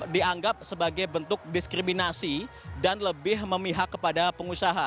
dianggap sebagai bentuk diskriminasi dan lebih memihak kepada pengusaha